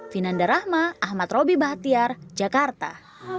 vinanda rahma ahmad roby bahtiar jakarta